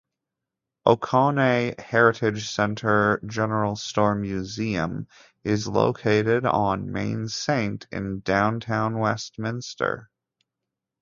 Oconee Heritage Center General Store Museum is located on Main Saint in Downtown Westminster.